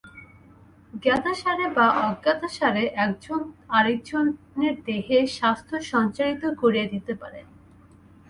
জ্ঞাতসারে বা অজ্ঞাতসারে একজন আর একজনের দেহে স্বাস্থ্য সঞ্চারিত করিয়া দিতে পারেন।